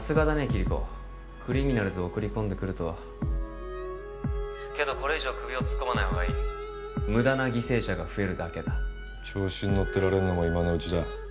キリコクリミナルズを送り込んでくるとはけどこれ以上首を突っ込まないほうがいい無駄な犠牲者が増えるだけだ調子に乗ってられんのも今のうちだ